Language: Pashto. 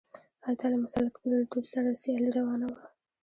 هلته له مسلط کلتور سره سیالي روانه وه.